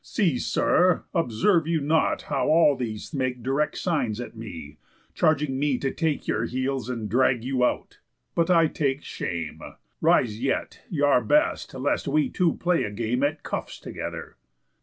See, sir, observe you not how all these make Direct signs at me, charging me to take Your heels, and drag you out? But I take shame. Rise yet, y' are best, lest we two play a game At cuffs together."